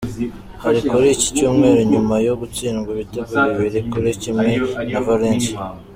Hari kuri iki Cyumweru nyuma yo gutsindwa ibitego bibiri kuri kimwe na Valencia.